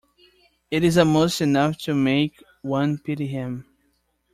It is almost enough to make one pity him.